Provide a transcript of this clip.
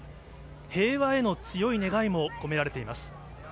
平和への強い願いも込められています。